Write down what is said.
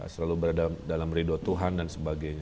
selalu berada dalam ridha tuhan dan sebagainya